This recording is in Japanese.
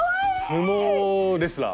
相撲レスラー。